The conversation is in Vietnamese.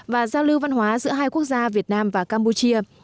và giao lưu văn hóa giữa hai quốc gia việt nam và campuchia